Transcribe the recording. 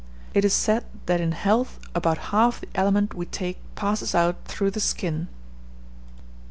It is said that in health about half the aliment we take passes out through the skin.